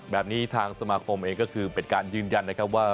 แบบนี้ทางสมาคมเองก็คือเป็นการยืนยันนะครับว่า